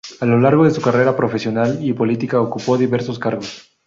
A lo largo de su carrera profesional y política, ocupó diversos cargos.